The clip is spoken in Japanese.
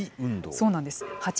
そうなんです。